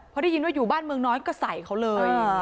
พอได้ยินว่าอยู่บ้านเมืองน้อยก็ใส่เขาเลย